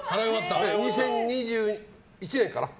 ２０２１年かな。